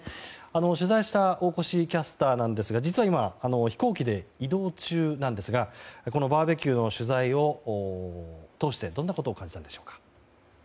取材した大越キャスターですが実は今、飛行機で移動中ですがバーベキューの取材を通してどんなことを感じたでしょうか。